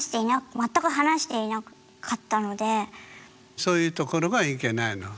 そういうところがいけないの。